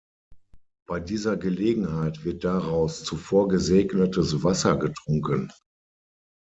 Bei dieser Gelegenheit wird daraus zuvor gesegnetes Wasser getrunken.